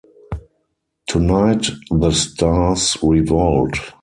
Tonight the Stars Revolt!